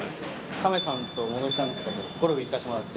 亀さんと元木さんとかとゴルフ行かせてもらって。